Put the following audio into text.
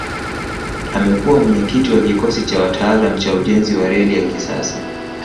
Amekua mwenyekiti wa kikosi cha wataalamu cha ujenzi wa reli ya kisasa